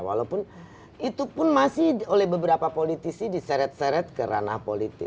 walaupun itu pun masih oleh beberapa politisi diseret seret ke ranah politik